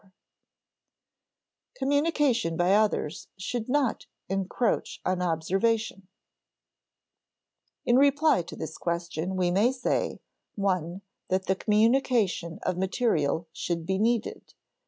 [Sidenote: Communication by others should not encroach on observation,] In reply to this question, we may say (i) that the communication of material should be needed.